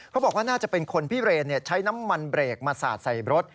เขาบอกว่าน่าจะเป็นคนพิเรนใช้น้ำมันเบรกมาสาดใส่รถ